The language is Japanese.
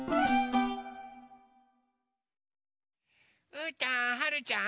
うーたんはるちゃん